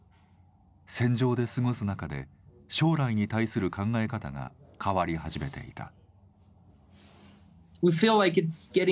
戦場で過ごす中で将来に対する考え方が変わり始めていた。